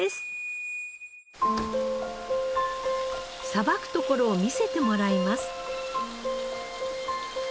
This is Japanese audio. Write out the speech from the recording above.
さばくところを見せてもらいます。